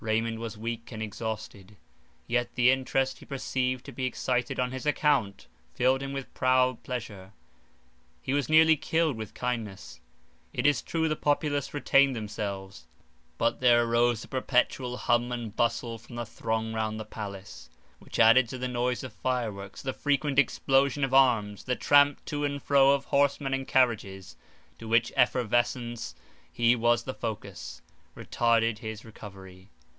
Raymond was weak and exhausted, yet the interest he perceived to be excited on his account, filled him with proud pleasure. He was nearly killed with kindness. It is true, the populace retained themselves; but there arose a perpetual hum and bustle from the throng round the palace, which added to the noise of fireworks, the frequent explosion of arms, the tramp to and fro of horsemen and carriages, to which effervescence he was the focus, retarded his recovery.